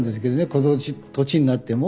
この年になっても。